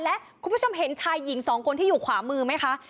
และคุณผู้ชมเห็นชายหญิงสองคนที่อยู่ขวามือไหมคะ